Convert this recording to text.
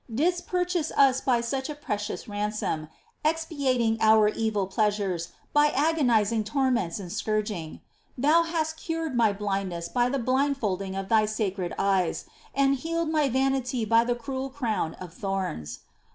didst purchase us by such a precious ransom, expiating our evil pleasures by agonising torments and scourging; Thou hast cured my blindness by the blindfolding of Thy sacred eyes, and healed my vanity by the cruel crown of thorns.